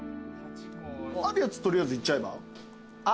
あるやつ取りあえずいっちゃえば？